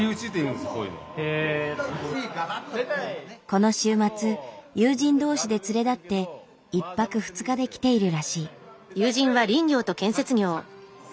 この週末友人同士で連れ立って１泊２日で来ているらしい。